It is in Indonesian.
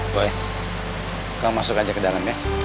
boy kamu masuk aja ke kantor aja ya